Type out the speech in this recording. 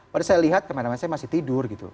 pada saat saya lihat kameramen saya masih tidur gitu